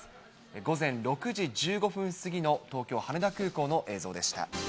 午前６時１５分過ぎの東京・羽田空港の映像でした。